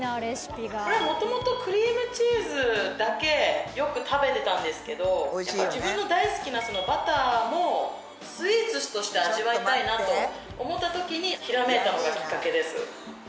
これは元々クリームチーズだけよく食べてたんですけど自分の大好きなバターもスイーツとして味わいたいなと思った時にひらめいたのがきっかけです。